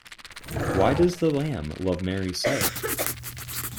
Why does the lamb love Mary so?